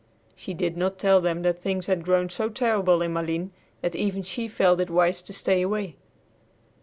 She did not tell them that things had grown so terrible in Malines that even she felt it wise to stay away.